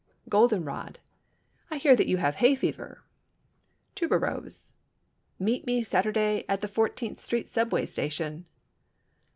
Golden rod—"I hear that you have hay fever." Tuberose—"Meet me Saturday at the Fourteenth Street subway station."